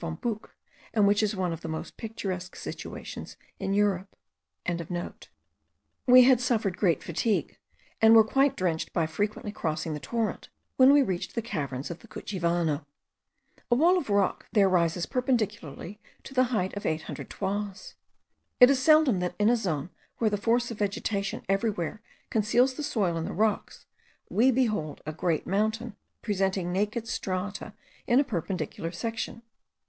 von Buch, and which is one of the most picturesque situations in Europe.) We had suffered great fatigue, and were quite drenched by frequently crossing the torrent, when we reached the caverns of the Cuchivano. A wall of rock there rises perpendicularly to the height of eight hundred toises. It is seldom that in a zone where the force of vegetation everywhere conceals the soil and the rocks, we behold a great mountain presenting naked strata in a perpendicular section.